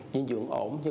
dinh dưỡng ổn